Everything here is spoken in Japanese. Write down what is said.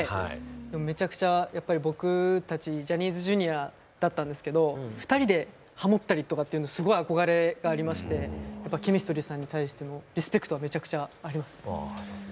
めちゃくちゃやっぱり僕たちジャニーズＪｒ．だったんですけど２人でハモったりとかっていうのすごい憧れがありましてやっぱＣＨＥＭＩＳＴＲＹさんに対してもリスペクトはめちゃくちゃありますね。